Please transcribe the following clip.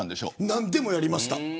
何でもやりました。